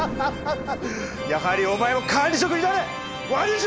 やはりお前は管理職になれ割寿郎！